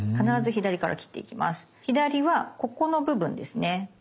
左はここの部分ですね。